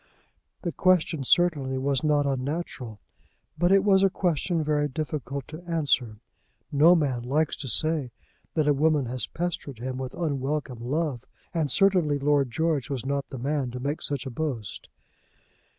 The question certainly was not unnatural. But it was a question very difficult to answer. No man likes to say that a woman has pestered him with unwelcome love, and certainly Lord George was not the man to make such a boast.